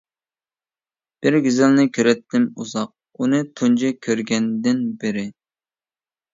بىر گۈزەلنى كۆرەتتىم ئۇزاق، ئۇنى تۇنجى كۆرگەندىن بېرى.